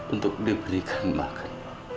untuk diberikan makan